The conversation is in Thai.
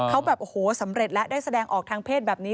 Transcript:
เขาแบบโอ้โหสำเร็จแล้วได้แสดงออกทางเพศแบบนี้